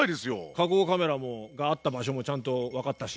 火口カメラがあった場所もちゃんと分かったし。